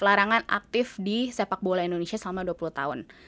larangan aktif di sepak bola indonesia selama dua puluh tahun